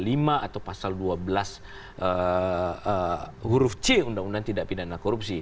potensinya bisa dijerat dengan pasal lima atau pasal dua belas huruf c undang undang tidak pidana korupsi